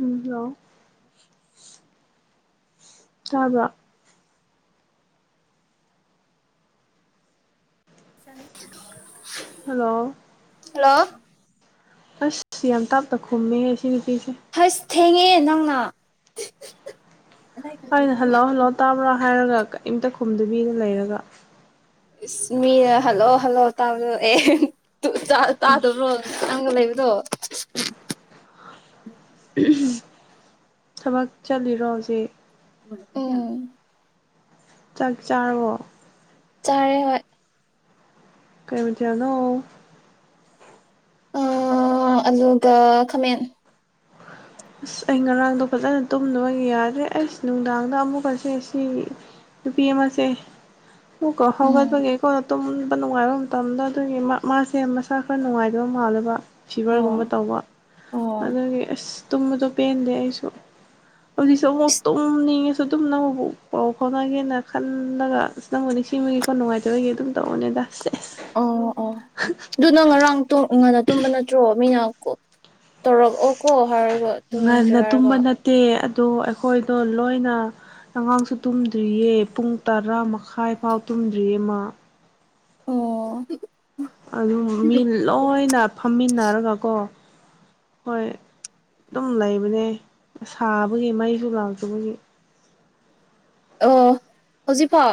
ꯎꯝ hello ꯇꯕ꯭ꯔꯥ [unintelligible] hello hello. ꯑꯁ ꯌꯥꯝ ꯇꯞꯅꯥ ꯈꯨꯝꯃꯦ ꯍꯦ ꯁꯤ ꯅꯨꯄꯤꯁꯤ ꯍꯥꯁ ꯊꯦꯡꯉꯦ ꯅꯪꯅꯥ꯫ ꯑꯩꯅ ꯍꯜꯂꯥꯎ ꯍꯜꯂꯣ ꯇꯥꯕ꯭ꯔꯥ ꯍꯥꯏꯔꯒ ꯀꯔꯤꯝꯇꯥ ꯈꯨꯝꯗꯨꯕꯤꯗ ꯂꯩꯔꯒꯥ꯫ ꯏꯁ ꯃꯤꯅ ꯍꯜꯂꯛꯑꯣ ꯍꯜꯂꯣꯑꯣ ꯇꯥꯕꯔꫭ ꯑꯦꯑꯑ ꯇꯥꯗꯕ꯭ꯔꯣ ꯅꯪꯒ ꯂꯩꯕꯗꯣ꯫ ꯊꯕꯛ ꯆꯠꯂꯤꯔꯣ ꯍꯧꯖꯤꯛ ꯑꯝꯝ ꯆꯥꯛ ꯆꯥꯔꯕꫭ ꯆꯔꯦ ꯍꯣꯏꯏ꯫ ꯀꯩ ꯃꯊ°ꯟꯅꯣ ꯑꯗꯨꯒꯥ ꯈꯥꯃꯦꯟ꯫ ꯏꯁ ꯑꯩ ꯉꯔꯥꯡꯗꯣ ꯐꯖꯅ ꯇꯨꯝꯅꯕ ꯌꯥꯗ꯭ꯔꯦ ꯑꯩꯁ ꯅꯨꯡꯗꯥꯡꯗꯥ ꯑꯃꯨꯛꯀꯁꯦ ꯁꯤ꯫ ꯅꯨꯄꯤ ꯑꯃꯥꯁꯤ ꯐꯨꯛ ꯔꯥꯎ ꯎꯝ ꯍꯧꯒꯠꯄꯒꯤꯀꫭ ꯇꯨꯝꯕ ꯅꯨꯡꯉꯥꯏꯕ ꯃꯇꯝꯗ ꯑꯗꯨꯒꯤ ꯃꯥꯁꯦ ꯃꯁꯥ ꯈꯔ ꯅꯨꯡꯉꯥꯏꯇꯕ ꯃꯥꯜꯂꯦꯕꯥ꯫ ꯑꯣ ꯐꯤꯚꯔꯒꯨꯝꯕ ꯇꯧꯕ ꯑꯣ ꯑꯗꯨꯗꯒꯤ ꯑꯁ ꯇꯨꯝꯕꯗꯨ ꯄꯦꯟꯗꯦ ꯑꯩꯁꯨ꯫ ꯍꯧꯖꯤꯛꯁꯨ ꯑꯃꯨꯛ ꯏꯁ ꯇꯨꯝꯅꯤꯡ ꯉꯁꯨ ꯑꯗꯨꯝ ꯅꯪꯕꯨ ꯄꯥꯎ ꯐꯥꯎꯅꯒꯦꯅꯥ ꯈꯜꯂꯒꯥ꯫ ꯑꯁ ꯅꯪꯕꯨ ꯁꯤꯡꯁꯤꯕꯒꯤ ꯀꯈ ꯅꯨꯡꯉꯥꯏꯇꯕꯒꯤ ꯑꯗꯨꯝ ꯇꯧꯕꯅꯦꯗ ꯑꯧ ꯑꯣꯑ ꯑꯗꯨ ꯅꯪ ꯉꯔꯥꯡ ꯇꫭ ꯉꯟꯅ ꯇꯨꯝꯕ ꯅꯠꯇ꯭ꯔꯣ ꯃꯤꯅꯥ ꯀꯟ ꯇꯧꯔꯛꯑꯣ ꯀꯣ ꯍꯥꯏꯔꯒꯥ꯫ ꯉꯟꯅꯥ ꯇꯨꯝꯕ ꯅꯠꯇꯦ ꯑꯗꫭ ꯑꯩꯈꯣꯏꯗꯣ ꯂꯣꯏꯅꯥ꯫ ꯑꯉꯥꯡꯁꯨ ꯇꯨꯝꯗ꯭ꯔꯤꯌꯦ ꯄꯨꯡ ꯇꯔꯥ ꯃꯈꯥꯏ ꯐꯥꯎꯕꯥ ꯇꯨꯝꯗ꯭ꯔꯤꯌꯦ ꯃꯥ꯫ ꯑꯣꯑꫭ ꯑꯗꯨꯝꯅ ꯃꯤ ꯂꯣꯏꯅꯅ ꯐꯝꯃꯤꯟꯅꯔꯒꯥ ꯀꯣ ꯍꯣꯏ ꯑꯗꯨꯝꯅ ꯂꯩꯕꯅꯦ ꯁꯥꯕꯒꯤ ꯃꯩꯁꯨ ꯂꯥꯛꯇꯕꯒꯤ꯫ ꯑꯣꯑꫭ ꯍꯧꯖꯤꯛꯐꯥꯥꯎ꯫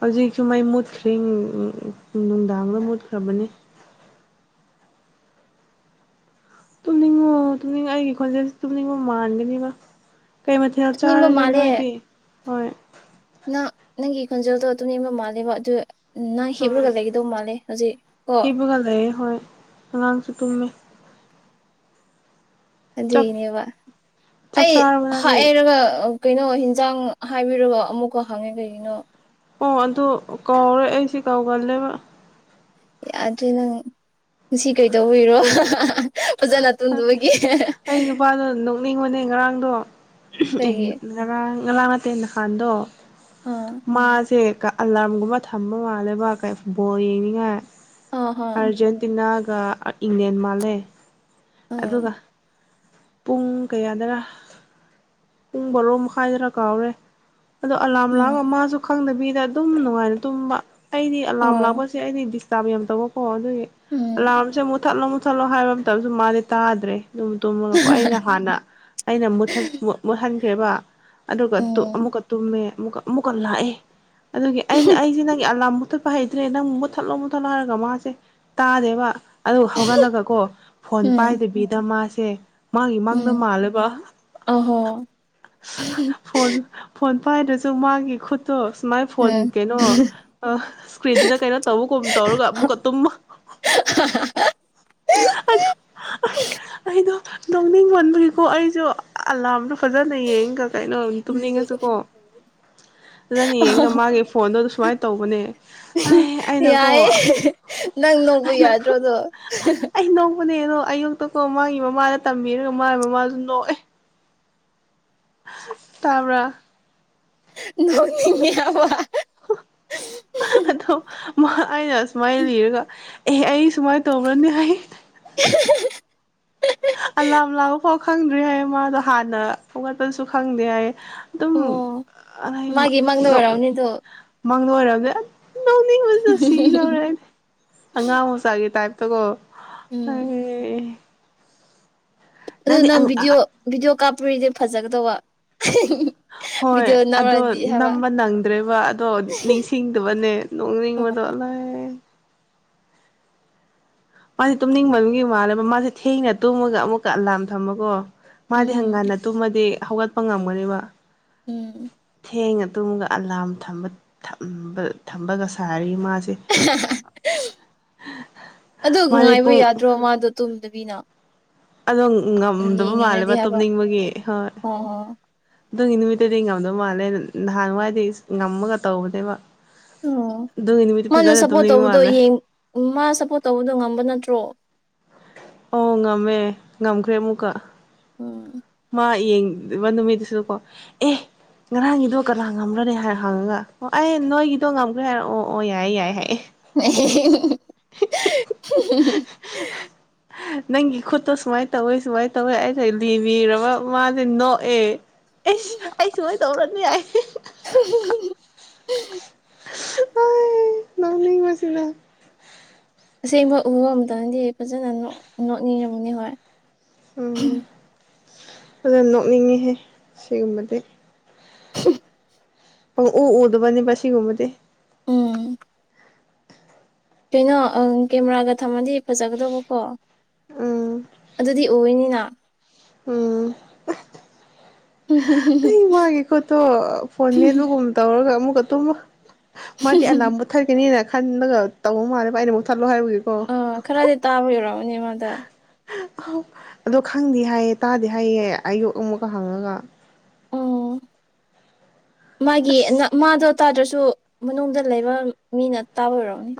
ꯍꯧꯖꯤꯛꯁꯨ ꯃꯩ ꯃꯨꯠꯈ꯭ꯔꯦ ꯅꯨꯡꯗꯥꯡꯗꯥ ꯃꯨꯠꯈ꯭ꯔꯕꯅꯤ꯫ ꯇꯨꯝꯅꯤꯡꯉꯣ ꯇꯨꯝꯅꯤꯡꯉꯥ ꯑꯩꯒꯤ ꯈꯣꯟꯖꯦꯜꯁꯤ ꯇꯨꯝꯅꯤꯡꯕꯥ ꯃꯥꯟꯒꯅꯤ ꯀꯩ ꯃꯊ°ꯟ ꯇꯨꯝꯅꯤꯡꯕ ꯆꯥꯔꯒꯦ ꯅꯣꯏꯗꯤ ꯍꯣꯏ ꯅ ꯅꯪꯒꯤ ꯈꯣꯟꯖꯦꯜꯗꯣ ꯇꯨꯝꯅꯤꯡꯕꯥ ꯃꯥꯜꯂꯦꯕ ꯑꯗꯨꯒ ꯎꯝ ꯅꯪ ꯍꯤꯞꯂꯒ ꯂꯩꯒꯗꯧꯕ ꯃꯥꯜꯂꯦ ꯍꯧꯖꯤꯛ ꯀꯣ ꯍꯤꯞꯄꯒꯥ ꯂꯩꯌ° ꯍꯣꯏ ꯑꯉꯥꯡꯁꯨ ꯇꯨꯝꯃꯤ꯫ ꯆꯥꯛ ꯑꯗꯨꯒꯤꯅꯦꯕ ꯆꯥꯛ ꯑꯩ ꯆꯥꯔꯕ ꯅꯪꯗꯤ ꯍꯥꯏꯔꯒꯥ꯫ ꯀꯩꯅꯣ ꯍꯤꯟꯖꯥꯡ ꯍꯥꯏꯕꯤꯔꯒ ꯑꯃꯨꯛꯀꯥ ꯍꯪꯉꯦ ꯀꯩꯒꯤꯅꯣ꯫ ꯑꯣꯑ ꯑꯗꯨ ꯀꯧꯔꯦ ꯑꯩꯁꯤ ꯀꯧꯒꯜꯂꯦꯕꯥ꯫ ꯑꯗꯨ ꯅꯪ ꯉꯁꯤ ꯀꯩꯗꯧꯕꯔꯣ ꯍꯥꯍꯥ ꯍꯥ ꯐꯖꯥꯅ ꯇꯨꯝꯗꯕꯒꯤ ꯃꯥꯗꯣ ꯅꯣꯛꯅꯤꯡꯉꯅꯦ ꯉꯔꯥꯡꯗꯣ ꯑꯩꯈꯣꯏꯒꯤ ꯉꯔꯥꯡ ꯉꯔꯥꯡ ꯅꯠꯇꯦ ꯅꯍꯥꯟꯗꯣ ꯑꯥ ꯃꯥꯁꯦ ꯑꯂꯥꯔꯝꯒꯨꯝꯕ ꯊꯝꯕꯥ ꯃꯥꯜꯂꯦꯕꯥ ꯕꫭꯟ ꯌꯦꯡꯅꯤꯡꯉꯥꯏ ꯑꯥ ꯍ ꯑꯥꯔꯖꯦꯟꯇꯤꯅꯥꯒꯥ ꯏꯪꯂꯦꯟ ꯃꯥꯜꯂꯤ꯫ ꯎꯝ ꯄꯨꯡ ꯀꯌꯥꯗꯔꯥ ꯄꯨꯡ ꯕꯥꯔꯣ ꯃꯈꯥꯏꯗꯔꯥ ꯀꯥꯎꯔꯦ꯫ ꯑꯗꯣ ꯑꯂꯥꯔꯝ ꯂꯥꯛꯑꯒ ꯎꯝ ꯃꯥꯁꯨ ꯈꯪꯗꯕꯤꯗꯥ ꯑꯗꯨꯝ ꯅꯨꯡꯉꯥꯏꯅ ꯇꯨꯝꯕ ꯑꯩꯗꯤ ꯑꯂꯥꯔꯝ ꯑꯣ ꯂꯥꯛꯄꯁꯦ ꯑꯩꯗꯤꯗꯤ ꯗꯤꯛ ꯗꯤꯇꯞ ꯌꯥꯝ ꯇꯧꯕꯀꯣ ꯑꯗꯨꯒꯤ ꯎꯝ ꯑꯦꯂꯥꯔꯝꯁꯦ ꯃꯨꯠꯊꯠꯂꯣ ꯃꯨꯠꯊꯠꯂꯣ ꯍꯥꯏꯕꯥ ꯇꯧꯕꯁꯨ ꯃꯥꯗꯤ ꯇꯥꯗ꯭ꯔꯦ ꯑꯗꯨꯨꯝꯝ ꯇꯨꯝꯃꯒꯀꯣ ꯑꯩꯅꯥ ꯍꯥꯟꯅꯥ꯫ ꯑꯩꯅ ꯃꯨꯠꯍꯟꯈ꯭ꯔꯦꯕꯥ ꯑꯗꯨꯒꯥ ꯎꯝ ꯑꯃꯨꯛꯀꯥ ꯇꯨꯝꯃꯦ ꯑꯃꯨꯛꯀꯥ꯫ ꯑꯃꯨꯛꯀꯥ ꯂꯥꯛꯑꯦ ꯑꯗꯒꯤ ꯑꯩꯁ ꯑꯩꯁꯤ ꯅꯒꯤ ꯑ°ꯂꯥꯝ ꯃꯊꯠꯄ ꯍꯩꯇ꯭ꯔꯦ ꯅꯪ ꯃꯨꯠꯊꯠꯂꯣ ꯃꯨꯠꯊꯠꯂꯣ ꯍꯥꯏꯔꯒꯥ ꯃꯥꯁꯦ ꯇꯥꯗꯦꯕꯥ꯫ ꯑꯗꯨ ꯒꯥ ꯍꯧꯒꯠꯂꯒꯀꯣ ꯐꯣꯟ ꯎꯝ ꯄꯥꯏꯗꯕꯤꯗꯥ ꯃꯥꯁꯦ ꯃꯥꯒꯤ ꯃꯪꯗ ꯎꯝ ꯃꯥꯜꯂꯦꯕꯥ꯫ ꯑꯍꯣ ꯐꯣꯟ ꯐꯣꯟ ꯄꯥꯏꯗꯔꯁꯨ ꯃꯥꯒꯤ ꯈꯨꯠꯇꯣ ꯁꯨꯃꯥꯏ ꯐꯣꯟ ꯎꯝ ꯀꯩꯅꯣ ꯑ ꯏꯁꯀ꯭ꯔꯤꯟꯗ ꯀꯩꯅꯣ ꯇꯧꯕꯒꯨꯝ ꯇꯧꯔꯒ ꯑꯃꯨꯛꯀ ꯇꯨꯝꯃꯥ [unintelligible] ꯑꯗꯣ ꯑꯁ ꯑꯩꯗꯣ ꯅꯣꯡꯅꯤꯡ ꯃꯟꯕꯒꯤꯀꯣ ꯑꯩꯁꯨ ꯑꯂꯥꯝꯗꯣ ꯐꯖꯅ ꯌꯦꯡꯉꯒ ꯀꯩꯅꯣ ꯇꯨꯝꯅꯤꯡꯉꯁꯨ ꯀꯣ ꯐꯖꯅꯥ ꯌꯦꯡꯉꯒꯥ ꯃꯥꯒꯤ ꯐꯣꯟꯗꯣ ꯁꯨꯃꯥꯏꯅ ꯇꯧꯕꯅꯦ ꯏꯍꯤꯡ ꯑꯩ ꯑꯩꯅꯀꯣ ꯌꯥꯏꯌꯦ ꯅꯪ ꯅꫭꯛꯄ ꯑꯩꯅꯀꯣ ꯌꯥꯗ꯭ꯔꯣꯗꯣ ꯑꯗꫭ ꯑꯩ ꯅꯣꯛꯄꯅꯦ ꯑꯗꯣ ꯑꯌꯨꯛꯇꯀꯣ ꯃꯥꯒꯤ ꯃꯃꯥꯗ ꯇꯝꯕꯤꯔꯒ ꯃꯥꯒꯤ ꯃꯃꯥꯁꯨ ꯅꯣꯛꯑꯦ ꯇꯥꯕ꯭ꯔꯥ ꯅꯣꯛꯅꯤꯡꯉꯦ ꯍꯥꯏꯕ ꯑꯗꯣ ꯃꯥ ꯑꯩꯅ ꯑꯁꯨꯃꯥꯏꯅ ꯂꯤꯔꯒ ꯑꯦ ꯑꯩ ꯁꯨꯃꯥꯏꯅ ꯇꯧꯕ꯭ꯔꯅꯦ ꯍꯥꯏ [unintelligible] ꯑꯂꯥꯝ ꯂꯥꯎꯕ ꯐꯥꯎ ꯈꯪꯗ꯭ꯔꯤ ꯍꯥꯏ ꯃꯥꯗꯣ ꯍꯥꯟꯅ ꯍꯧꯒꯠꯄꯁꯨ ꯈꯪꯗꯦ ꯍꯥꯏ ꯑꯗꯨꯝ ꯑꯣ ꯃꯥꯒꯤ ꯃꯪꯗ ꯑꯣꯏꯔꯝꯅꯤꯗꯣ [unintelligible] ꯃꯥꯗꯣ ꯎꯔꯒꯥ ꯅꯣꯛꯅꯤꯡꯕ ꯁꯤꯗꯧꯔꯦꯅꯦ ꯑꯉꯥꯡ ꯃꯆꯥꯒꯤ ꯇꯥꯏꯞꯇꯀꯣ ꯎꯝ ꯑꯩ ꯑꯗꯨ ꯅꯪꯗꯤ ꯅꯪ ꯚꯤꯗꯤꯑꯣ ꯚꯤꯗꯤꯑꯣ ꯀꯥꯞꯄꯣꯔꯤꯗꯤ ꯐꯖꯒꯗꯕ ꯍꯣꯏ ꯑꯗꯣ ꯅꯝꯕ ꯅꯪꯗ꯭ꯔꯦꯕ ꯑꯗꯣ ꯅꯤꯡꯁꯤꯡꯗꯕꯅꯦ ꯅꯣꯡꯅꯤꯡꯕ [unintelligible] ꯃꯥꯁꯦ ꯇꯨꯝꯅꯤꯡꯕꯒꯤ ꯃꯥꯜꯂꯦꯕ ꯃꯥꯁꯦ ꯊꯦꯡꯅ ꯇꯨꯝꯃꯒ ꯑꯃꯨꯛꯀ ꯑꯂꯥꯝ ꯊꯝꯕꯀꯣ ꯃꯥꯗꯤ ꯎꯝꯝ ꯉꯟꯅꯥ ꯇꯨꯝꯃꯗꯤ ꯍꯧꯒꯠꯄ ꯉꯝꯕꯅꯦꯕ ꯎꯝ ꯊꯦꯡꯅ ꯇꯨꯝꯃꯒ ꯑꯂꯥꯝ ꯊꯝꯕ ꯊꯝꯕꯒ ꯁꯥꯔꯤ ꯃꯥꯁꯦ ꯑꯗꯨ ꯃꯥꯗꯤ ꯉꯥꯏꯕ ꯄꯨꯡ ꯌꯥꯗ꯭ꯔꯣ ꯃꯥꯗꯣ ꯇꯨꯝꯗꯕꯤꯅ ꯑꯗꯣ ꯉꯝꯗꯕ ꯌꯦꯡꯅꯤꯡꯉꯗꯤ ꯃꯥꯜꯂꯦꯕ ꯍꯥꯏꯕ ꯇꯨꯝꯅꯤꯡꯕꯒꯤ ꯍꯣꯏ ꯑꯣ ꯑꯗꯨꯒꯤ ꯅꯨꯃꯤꯠꯇꯨꯗꯤ ꯉꯝꯗ ꯃꯥꯜꯂꯦ ꯅꯍꯥꯟꯋꯥꯏꯗꯤ ꯉꯝꯃꯒ ꯇꯧꯕꯅꯦꯕ ꯑꯣ ꯑꯗꯨꯒꯤ ꯅꯨꯃꯤꯠꯇ ꯐꯖꯅ ꯇꯨꯝꯅꯤꯡꯕ ꯃꯥꯜꯂꯦ ꯎꯝ ꯃꯥ ꯁꯄꯣꯔꯠ ꯇꯧꯕꯗꯣ ꯉꯝꯕ ꯅꯠꯇ꯭ꯔꯣ ꯑꯣ ꯉꯝꯃꯦ ꯉꯝꯈ꯭ꯔꯦ ꯑꯃꯨꯛꯀ [inaudible] ꯃꯥ ꯌꯦꯡꯗꯕ ꯅꯨꯃꯤꯠꯁꯨ ꯀꯣ ꯑꯦ ꯉꯔꯥꯡꯒꯤꯗꯣ ꯀꯅꯥ ꯉꯝꯒꯥꯔꯦ ꯍꯥꯏꯔ ꯍꯪꯉꯒ ꯑꯩꯅ ꯅꯣꯏꯒꯤꯗꯣ ꯉꯝꯈ꯭ꯔꯦ ꯍꯥꯏꯔꯒꯥ ꯑꯣ ꯑꯣ ꯌꯥꯏꯌꯦ ꯌꯥꯏꯌꯦ ꯍꯥꯏꯌꯦ [unintelligible] [unintelligible] ꯅꯪꯒꯤ ꯈꯨꯠꯇꯣ ꯁꯨꯃꯥꯏꯅ ꯇꯧꯋꯤ ꯁꯨꯃꯥꯏꯅ ꯇꯧꯋꯦ ꯑꯩꯅ ꯂꯤꯕꯤꯔꯕ ꯃꯥꯁꯦ ꯅꯣꯛꯑꯦ ꯑꯁ ꯑꯩ ꯁꯨꯃꯣꯏ ꯇꯧꯔꯁꯨ ꯌꯥꯏ [unintelligible] [unintelligible] ꯑꯁ ꯅꯣꯛꯅꯤꯡꯕꯁꯤꯅꯥ ꯑꯁꯦꯡꯕ ꯎꯕ ꯑꯃꯝꯗꯗꯤ ꯐꯖꯅ ꯅꯣꯛꯅꯤꯡ ꯅꯣꯛꯅꯤꯡꯝꯉꯝꯅꯤ ꯍꯣꯏ ꯎꯝ ꯐꯖꯅ ꯅꯣꯛꯅꯤꯡꯉꯤꯍꯦ ꯁꯤꯒꯨꯝꯕꯗꯤ [unintelligible] ꯄꯥꯪꯎ ꯎꯗꯕꯅꯦꯕ ꯁꯤꯒꯨꯝꯕꯗꯤ ꯎꯝ ꯀꯩꯅꯣ ꯀꯦꯃꯦꯔꯥꯒ ꯊꯝꯃꯗꯤ ꯐꯖꯕꯒꯗꯧꯕ ꯀꯣ ꯎꯝ ꯑꯗꯨꯗꯤ ꯑꯣꯏꯅꯤꯅ ꯎꯝ [unintelligible] ꯑꯩ ꯃꯥꯒꯤ ꯈꯨꯠꯇꯣ ꯐꯣꯟ ꯃꯦꯠꯄꯒꯨꯝꯕ ꯇꯧꯔꯒ ꯑꯃꯨꯛꯀ [unintelligible] ꯃꯥꯗꯤ ꯑꯦꯂꯥꯝ ꯊꯠꯀꯅꯤꯅ ꯈꯟꯕꯒ ꯇꯧꯕ ꯃꯥꯜꯦꯕ ꯑꯩꯅ ꯃꯨꯏ ꯊꯠꯂꯣ [unintelligible] ꯑꯥ ꯈꯔꯗꯤ ꯇꯥꯕ [unintelligible] ꯃꯥꯗꯣ ꯑ ꯑꯗꯣ ꯈꯪꯗꯦ ꯍꯥꯏꯌꯦ ꯇꯥꯗꯦ ꯍꯥꯏꯌꯦ ꯑꯌꯨꯛ ꯑꯃꯨꯛꯀ ꯍꯪꯉꯒ ꯑꯣ ꯃꯥꯒꯤ ꯑꯁ ꯅ ꯃꯥꯗꯣ ꯇꯥꯗ꯭ꯔꯁꯨ ꯃꯅꯨꯡꯗ ꯂꯩꯕ ꯃꯤꯅ ꯇꯥꯕ ꯑꯣꯏꯔꯣꯅꯤ꯫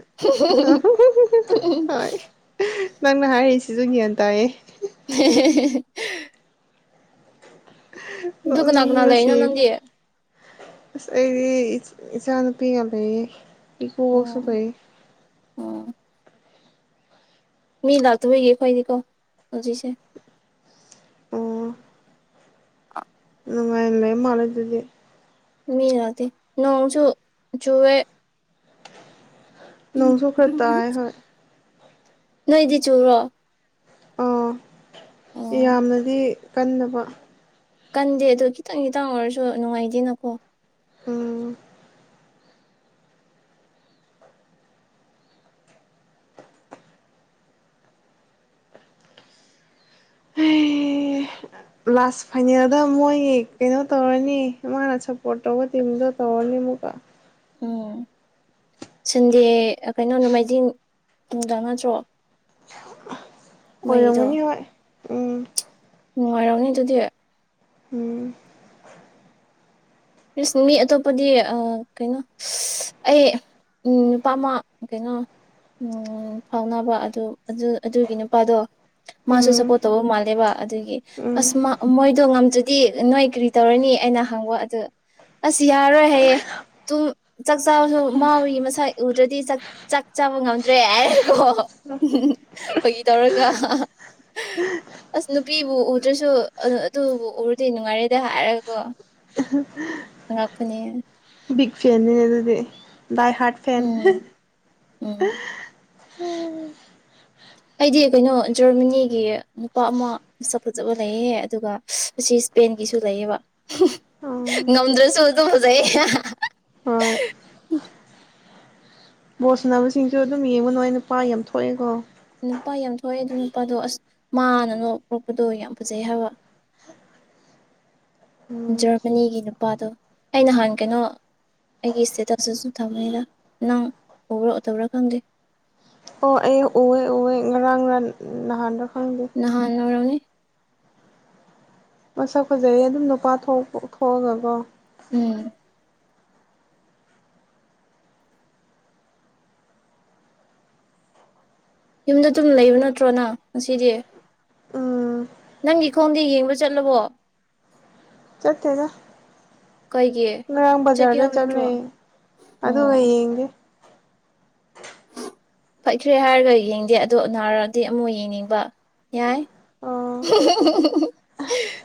ꯍꯣꯏ ꯅꯪꯅ ꯍꯥꯏꯔꯤꯁꯤꯁꯨ ꯒ꯭ꯌꯥꯟ ꯇꯥꯏꯌꯦ [unintelligible] ꯑꯗꯨ ꯀꯅꯥ ꯀꯅꯥ ꯅꯣꯛꯅꯤꯡꯕꯅ ꯂꯩꯔꯤꯅꯣ ꯁꯤꯔꯗ ꯅꯪꯗꯤ ꯑꯣ ꯑꯁ ꯑꯩꯗꯤ ꯏꯆꯥ ꯅꯨꯨꯄꯤꯒ ꯂꯩꯌꯦ ꯏꯀꯨꯕꯣꯛꯁꯨ ꯐꯩꯌꯦ ꯑꯣ ꯃꯤ ꯂꯥꯛꯇꯕꯒꯤ ꯑꯈꯣꯏꯗꯤꯀꯣ ꯍꯧꯖꯤꯛꯁꯦ ꯅꯨꯡꯉꯥꯏ ꯂꯩ ꯃꯥꯜꯂꯦ ꯑꯗꯨꯗꯤ ꯃꯤ ꯂꯛꯇꯦ ꯅꯣꯡꯁꯨ ꯆꯨꯋꯦ ꯅꯣꯡꯁꯨ ꯈꯔ ꯇꯥꯏ ꯍꯣꯏ ꯅꯣꯏꯗꯤ ꯆꯨꯔꯣ ꯑꯣ ꯑꯣ ꯌꯥꯝꯅꯗꯤ ꯀꯟꯗꯕ ꯀꯟꯗꯦ ꯑꯗꯣ ꯈꯤꯇꯪ ꯈꯤꯇꯪ ꯑꯣꯏꯔꯁꯨ ꯅꯨꯡꯉꯥꯏꯇꯦꯅꯀꯣ ꯎꯝ ꯂꯥꯁ ꯐꯥꯏꯅꯦꯜꯗ ꯃꯣꯏꯒꯤ ꯀꯩꯅꯣ ꯇꯧꯔꯅꯤ ꯃꯣꯏꯅ ꯁꯞꯄꯣꯔꯠ ꯇꯧꯕ ꯇꯤꯝꯗꯣ ꯇꯧꯔꯅꯤ ꯑꯃꯨꯛꯀꯥ ꯎꯝ [inaudible] ꯁꯟꯗꯦ ꯀꯩꯅꯣ ꯅꯣꯡꯃꯥꯏꯖꯤꯡ ꯅꯨꯡꯗ ꯅꯠꯇ꯭ꯔꯣ ꯃꯣꯏꯒꯤꯗꯣ ꯑꯣꯏꯔꯝꯒꯅꯤ ꯍꯣꯏ ꯎꯝ ꯅꯨꯡꯉꯥꯏꯔꯝꯅꯤ ꯑꯗꯨꯗꯤ ꯎꯝ ꯏꯁ ꯃꯤ ꯑꯇꯣꯞꯄꯗꯤ ꯑꯥ ꯀꯩꯅꯣ ꯑꯩ ꯎꯝ ꯅꯨꯄꯥ ꯑꯃ ꯀꯩꯅꯣ ꯎꯝ ꯐꯥꯎꯅꯕ ꯑꯗꯨ ꯑꯗꯨ ꯑꯗꯨꯒꯤ ꯅꯨꯄꯥꯗꯣ ꯃꯥꯁꯨ ꯎꯝ ꯁꯞꯄꯣꯠ ꯇꯧꯕ ꯃꯥꯜꯂꯦꯕ ꯑꯗꯨꯒꯤ ꯎꯝ ꯑꯁ ꯃꯥ ꯃꯣꯏ ꯗꯨ ꯉꯝꯗ꯭ꯔꯗꯤ ꯅꯣꯏ ꯀꯔꯤ ꯇꯧꯔꯅꯤ ꯑꯩꯅ ꯍꯪꯕ ꯑꯗꯨ ꯑꯁ ꯌꯥꯔꯣꯏ ꯍꯥꯏꯌꯦ ꯇꯨꯝ ꯆꯥꯛ ꯆꯥꯕꯁꯨ ꯃꯥꯒꯤ ꯃꯁꯛ ꯎꯗ꯭ꯔꯗꯤ ꯆꯛ ꯆꯥꯛ ꯆꯥꯕ ꯉꯝꯗ꯭ꯔꯦ ꯍꯥꯏꯔꯦꯀꯣ ꯐꯒꯤ ꯇꯧꯔꯒ ꯑꯁ ꯅꯨꯄꯤꯕꯨ ꯎꯗ꯭ꯔꯁꯨ ꯑꯗꯨꯕꯨ ꯎꯔꯗꯤ ꯅꯨꯡꯉꯥꯏꯔꯦꯗ ꯍꯥꯏꯔꯒꯀꯣ [unintelligible] ꯑꯉꯛꯄꯅꯤ ꯕꯤꯒ ꯐꯦꯟꯅꯦ ꯑꯗꯨꯗꯤ ꯗꯥꯏ ꯍꯥꯔꯠ ꯐꯦꯟ ꯎꯝ ꯎꯝ ꯑꯩꯗꯤ ꯀꯩꯅꯣ ꯖꯔꯃꯅꯤꯒꯤ ꯅꯨꯄꯥ ꯑꯃ ꯃꯁꯛ ꯐꯖꯕ ꯂꯩꯌꯦ ꯑꯗꯨꯒ ꯑꯁꯤ ꯏꯁꯄꯦꯟꯒꯤꯁꯨ ꯂꯩꯌꯦꯕꯥ ꯎꯝ ꯉꯝꯗ꯭ꯔꯁꯨ ꯑꯗꯨꯝ ꯐꯖꯩ ꯍꯣꯏ ꯕꯣꯜꯁꯅꯕꯁꯤꯡꯁꯨ ꯑꯗꯨꯝ ꯌꯦꯡꯕ ꯅꯣꯏ ꯅꯨꯄꯥ ꯌꯥꯝ ꯊꯣꯛꯑꯦꯀꯣ ꯅꯨꯄꯥ ꯌꯥꯝ ꯊꯣꯛꯑꯦ ꯑꯗꯨ ꯅꯨꯄꯥꯗꯣ ꯑꯁ ꯃꯥꯅ ꯄꯣꯔꯛꯄꯗꯣ ꯌꯥꯝ ꯐꯖꯩ ꯍꯥꯏꯕ ꯎꯝ ꯖꯔꯃꯅꯤꯒꯤ ꯅꯨꯄꯥꯗꯣ ꯑꯩ ꯅꯍꯥꯟ ꯀꯩꯅꯣ ꯑꯩꯒꯤ ꯏꯁꯇꯦꯇꯁꯇꯨꯁꯨ ꯊꯝꯃꯦꯗ ꯅꯪ ꯎꯕ꯭ꯔꯥ ꯎꯗꯕ꯭ꯔꯥ ꯈꯪꯗꯦ ꯑꯣ ꯑꯩ ꯎꯋꯦ ꯎꯋꯦ ꯉꯔꯥꯡ ꯔ ꯅꯍꯥꯟꯗꯣ ꯈꯪꯗꯦ ꯅꯍꯥꯟ ꯑꯣꯏꯔꯝꯅꯤ ꯃꯁꯛ ꯐꯖꯩ ꯑꯗꯨꯝ ꯅꯨꯄꯥ ꯊꯣꯛ ꯊꯣꯛꯑꯒꯀꯣ ꯎꯝ ꯌꯨꯝꯗ ꯑꯗꯨꯝ ꯂꯩꯕ ꯅꯠꯇ꯭ꯔꯣ ꯅꯪ ꯉꯁꯤꯗꯤ ꯎꯝ ꯅꯪꯒꯤ ꯈꯣꯡꯗꯤ ꯌꯦꯡꯕ ꯆꯠꯂꯕꯣ ꯆꯠꯇꯦꯗ ꯀꯩꯒꯤ ꯉꯔꯥꯡ ꯆꯠꯀꯦ ꯕꯖꯥꯔꯗ ꯍꯥꯏꯕ ꯅꯠꯇ꯭ꯔꯣ ꯑꯣ ꯌꯦꯡꯒꯦ ꯐꯈ꯭ꯔꯦ ꯍꯥꯏꯔꯒ ꯌꯦꯡꯗꯦ ꯑꯗꯣ ꯅꯥꯔꯛꯑꯗꯤ ꯑꯃꯨꯛ ꯌꯦꯡꯅꯤꯡꯕ ꯌꯥꯏ ꯑꯣ [unintelligible]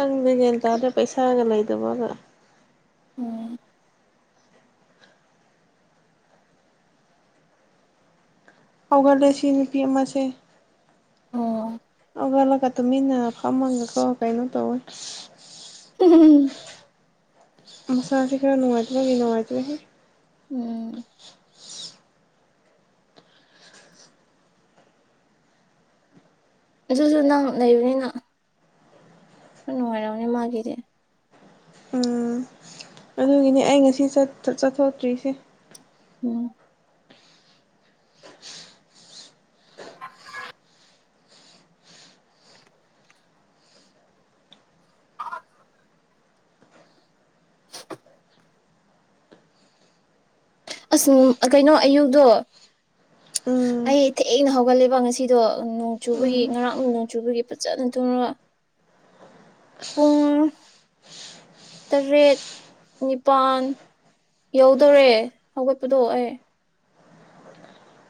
ꯈꯪꯗ‌ꯦ ꯃ‌ꯦꯟ ꯇꯥꯗꯦ ꯄꯩꯁꯥꯒ ꯂꯩꯗꯕꯒ ꯎꯝ ꯍꯧꯒꯠꯂꯦ ꯁꯤ ꯅꯨꯄꯤ ꯑꯃꯁꯦ ꯑꯣ ꯍꯧꯒꯠꯂꯒ ꯇꯨꯃꯤꯟꯅ ꯐꯝꯃꯒ ꯀꯣ ꯀꯩ ꯅ‌ꯣ ꯇꯧꯋ‌ꯦ ꯎꯝ ꯃꯁꯥꯁ‌ꯦ ꯈꯔꯅ ꯅꯨꯉꯥꯏꯇꯕꯒꯤ ꯅꯨꯉꯥꯏꯇꯔ‌ꯦꯍ‌ꯦ ꯎꯝ ꯑꯗꯨꯁꯨ ꯅꯪ ꯂꯩꯕꯅꯤꯅ ꯍ‌ꯣꯏ ꯅꯨꯡꯉꯥꯏꯔꯝꯅꯤ ꯃꯥꯒꯤꯗꯤ ꯎꯝ ꯑꯗꯨꯒꯤꯅꯦ ꯑꯩ ꯉꯁꯤ ꯆꯠ ꯆꯠꯊꯣꯛꯇ꯭ꯔꯤꯁꯦ ꯎꯝ [unintelligible] ꯑꯁ ꯀꯩꯅꯣ ꯑꯌꯨꯛꯗꯣ ꯎꯝ ꯑꯩ ꯊꯦꯡꯅ ꯍꯧꯒꯠꯂꯦꯕ ꯉꯁꯤꯗꯣ ꯅꯣꯡ ꯆꯨꯕꯒꯤ ꯎꯝ ꯉꯔꯥꯡ ꯅꯣꯡ ꯆꯨꯕꯒꯤ ꯐꯖꯅ ꯇꯨꯡꯉꯒ ꯆ‌ꯦ ꯇꯔꯦꯠ ꯅꯤꯄꯥꯜ ꯌꯧꯗꯧꯔꯦ ꯍꯧꯒꯠꯄꯗꯣ ꯑꯩ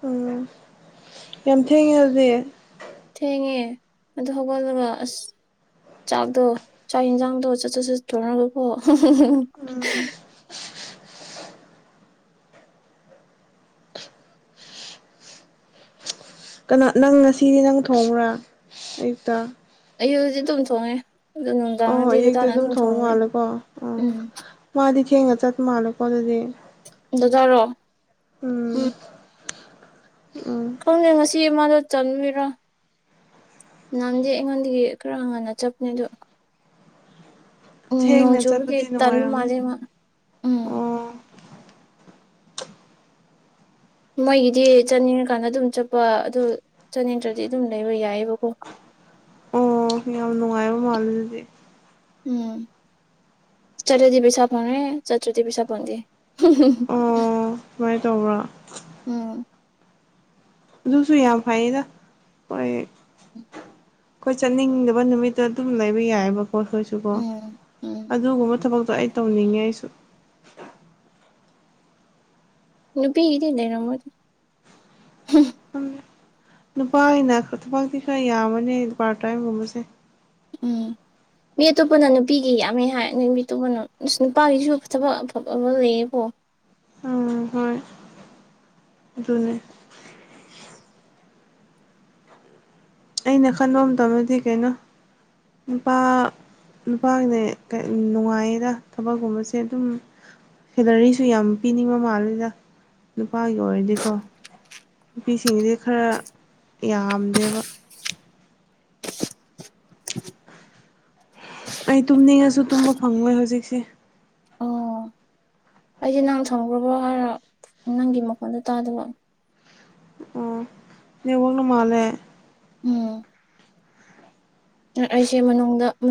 ꯎꯝ ꯌꯥꯝ ꯊꯦꯡꯉ‌ꯦ ꯑꯗꯨꯗꯤ ꯊꯦꯡꯉꯦ ꯑꯗꯨ ꯍꯧꯒꯠꯂꯒ ꯑꯁ ꯆꯥꯛꯗꯣ ꯆꯥꯛ ꯏꯟꯖꯥꯡꯗꯣ ꯁꯠ ꯁꯠ ꯊ‌ꯣꯡꯉꯒꯀ‌ꯣ ꯎꯝ ꯀꯩꯅ ꯅꯪ ꯉꯁꯤ ꯅꯪꯅ ꯊꯣꯡꯕ꯭ꯔꯥ ꯑꯌꯨꯛꯇ ꯑꯌꯨꯛꯗꯤ ꯑꯗꯨꯝ ꯊꯣꯡꯉꯦ ꯑꯗꯨ ꯅꯨꯡꯗꯥꯡ ꯑꯣ ꯗꯤ ꯑꯗꯨ ꯑꯌꯨꯛꯇ ꯗꯗꯥ ꯑꯗꯨꯝ ꯊꯣꯡꯕ ꯊꯣꯡꯉ‌ꯦ ꯃꯥꯜꯂꯦꯀꯣ ꯑꯣ ꯎꯝ ꯃꯥꯗꯤ ꯊꯦꯡꯅ ꯆꯠꯄ ꯃꯥꯜꯂ‌ꯦ ꯀ‌ꯣꯗꯨꯗꯤ ꯗꯗꯥꯔꯣ ꯎꯝ ꯎꯝ ꯈꯪꯗꯦ‌‌ ꯉꯁꯤ ꯃꯥꯗ‌ꯣ‌ ꯆꯪꯔꯤꯔꯥ ꯅꯍꯟꯗꯤ ꯑꯩꯉꯣꯟꯗꯒꯤ ꯈꯔ ꯉꯟꯅ ꯆꯠꯄꯅꯦ ꯑꯗꯣ ꯎꯝ ꯅꯣꯡ ꯊꯦꯡꯅ ꯆꯨꯕꯒꯤ ꯆꯠꯄꯗꯤ ꯇꯟꯕ ꯅꯨꯡꯉꯥꯏꯔꯝꯅꯤ ꯃꯥꯜꯂ‌ꯦ ꯃꯥ ꯎꯝ ꯑꯣ ꯃꯣꯏꯒꯤꯗꯤ ꯆꯠꯅꯤꯡꯉ ꯀꯥꯟꯗ ꯑꯗꯨꯝ ꯆꯠꯄ ꯑꯗꯨ ꯆꯠꯅꯤꯡꯗ꯭ꯔꯗꯤ ꯑꯗꯨꯝ ꯂꯩꯕ ꯌꯥꯏꯑꯕꯀꯣ ꯑꯣ ꯌꯥꯝ ꯅꯨꯡꯉꯥꯏꯕ ꯃꯥꯜꯂꯦ ꯑꯗꯨꯗꯤ ꯎꯝ ꯆꯠꯂꯗꯤ ꯄꯩꯁꯥ ꯐꯦꯉ‌ꯦ ꯆꯠꯇꯔꯗꯤ ꯄꯩꯁꯥ ꯐꯪꯗ‌ꯩ ꯍꯨꯝ ꯍꯨꯝ ꯑꯣ ꯁꯨꯃꯥꯏꯅ ꯇꯧꯕ꯭ꯔꯥ ꯑꯗꯨꯁꯨ ꯌꯥꯝ ꯐꯩꯗ ꯍꯣꯏ ꯑꯩꯈꯣꯏ ꯆꯠꯅꯤꯡꯗꯕ ꯅꯨꯃꯤꯠꯇꯣ ꯑꯗꯨꯝ ꯂꯩꯕ ꯌꯥꯏꯑ‌ꯦꯕ ꯍꯣꯏ ꯍꯣꯏꯁꯨꯀꯣ ꯎꯝ ꯎꯝ ꯑꯗꯨꯒꯨꯝꯕ ꯊꯕꯛꯇꯣ ꯑꯩ ꯇꯧꯅꯤꯡꯉꯦ ꯑꯩꯁꯨ ꯅꯨꯄꯤ ꯒꯤꯗꯤ ꯂꯩꯔꯝꯃ‌ꯣꯏꯗ ꯅꯨꯄꯥꯒꯤꯅ ꯊꯕꯛꯇꯤ ꯈꯔ ꯌꯥꯝꯕꯅꯦ ꯄꯥꯔꯠ ꯇ꯭ꯔꯥꯏꯝ ꯒꯨꯝꯕꯁꯦ ꯎꯝ ꯃꯤ ꯑꯇꯣꯞꯄꯅ ꯅꯨꯄꯤꯒꯤ ꯌꯥꯝꯃꯦ ꯍꯥꯏ ꯅꯣꯏ ꯃꯤꯇꯣꯞꯄꯅ ꯅꯨꯄꯥꯒꯤꯁꯨ ꯐꯕꯛ ꯑꯐꯕ ꯂꯩꯌꯦꯕꯣ ꯎꯝ ꯍꯣꯏ ꯑꯗꯨꯅꯦ ꯑꯩꯅ ꯈꯟꯕ ꯑꯝ ꯇꯧꯔꯗꯤ ꯀꯩꯅꯣ ꯅꯨꯄꯥ ꯅꯨꯄꯥꯒꯤꯅꯦ ꯅꯨꯡꯉꯥꯏꯗ ꯊꯕꯛꯀꯨꯝꯕꯁꯦ ꯑꯗꯨꯝ ꯁꯦꯂꯔꯤꯁꯨ ꯌꯥꯝ ꯄꯤꯅꯤꯡ ꯃꯃꯥꯜꯂꯤꯗ ꯅꯨꯄꯥꯒꯤ ꯑꯣꯏꯔꯗꯤꯀꯣ ꯅꯨꯄꯤꯁꯤꯡꯒꯤꯗꯤ ꯈꯔ ꯌꯥꯝꯗꯦꯕ ꯑꯩ ꯇꯨꯝꯅꯤꯡꯉꯁꯨ ꯇꯨꯝꯕ ꯐꯪꯉꯣꯏ ꯍꯧꯖꯤꯛꯁꯦ ꯑꯣ ꯑꯩꯗꯤ ꯅꯪ ꯊꯝꯈ꯭ꯔꯕꯣ ꯍꯥꯏꯔꯥ ꯅꯪꯒꯤ ꯃꯈꯣꯟꯗꯣ ꯇꯥꯗꯕ ꯑꯣ ꯅꯦꯠꯋꯥꯛꯅ ꯃꯥꯜꯂꯦ ꯎꯝ ꯑꯩꯁꯦ ꯃꯅꯨꯡꯗ